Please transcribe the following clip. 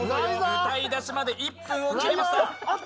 歌い出しまで１分を切りました。